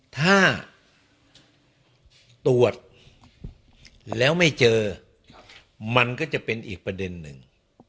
ถ้าตรวจแล้วไม่เจอมันก็จะเป็นอีกประเด็นหนึ่ง